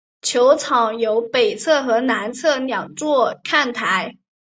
球场有北侧和南侧两座看台。